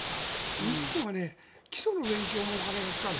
日本は基礎の勉強もお金がかかる。